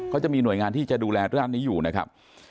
เขาจะมีหน่วยงานที่จะดูแลเรื่องนี้อยู่นะครับ